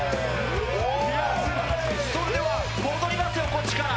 それでは、戻りますよ、こっちから。